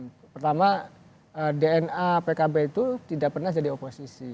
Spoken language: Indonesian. pertama dna pkb itu tidak pernah jadi oposisi